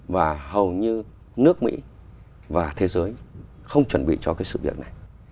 và hầu như nước mỹ và thế giới không chuẩn bị cho cái sự việc này